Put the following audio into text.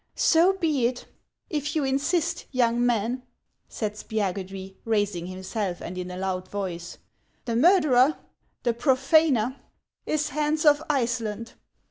" So be it, if you insist, young man," said Spiagudry, raising himself, and in a loud voice. " The murderer, the profaner, is Hans of Iceland."